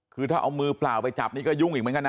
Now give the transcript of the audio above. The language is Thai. คือถ้าเอามือเปล่าไปจับนี่ก็ยุ่งอีกเหมือนกันนะ